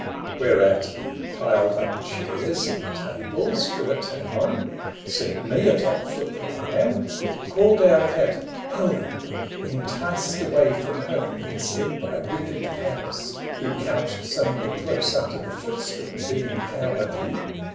" Whereat He piled up chairs and tables for a town, Set me a top for Priam, called our cat — Helen, enticed away from home (he said) By wicked Paris, who couched somewhere close Under the footstool, being cowardly.